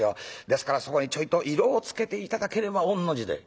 ですからそこにちょいと色をつけて頂ければ御の字で」。